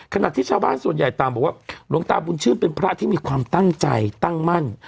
ขณะที่ชาวบ้านส่วนใหญ่ต่างบอกว่าหลวงตาบุญชื่นเป็นพระที่มีความตั้งใจตั้งมั่น